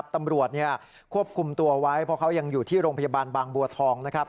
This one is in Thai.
ตำรวจควบคุมตัวไว้เพราะเขายังอยู่ที่โรงพยาบาลบางบัวทองนะครับ